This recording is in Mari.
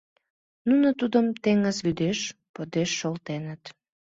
Нуно тудым теҥыз вӱдеш, подеш шолтеныт.